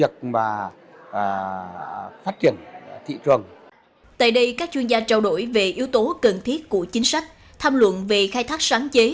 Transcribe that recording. tại đây các chuyên gia trao đổi về yếu tố cần thiết của chính sách tham luận về khai thác sáng chế